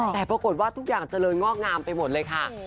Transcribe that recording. แต่ปรากฏว่าทุกอย่างเจริญงอกงามไปหมดเลยค่ะ